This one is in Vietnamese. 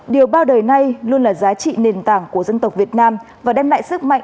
điều bao đời nay luôn là giá trị nền tảng của dân tộc việt nam và đem lại sức mạnh